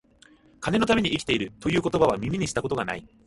金のために生きている、という言葉は、耳にした事が無い